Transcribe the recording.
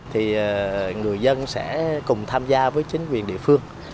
thì người dân sẽ cùng tham gia với chính quyền địa phương